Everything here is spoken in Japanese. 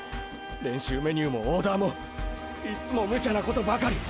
練習メニューもオーダーもいっつもムチャなことばかり！！